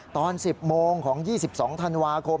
ตอน๑๐โมงของ๒๒ธันวาคม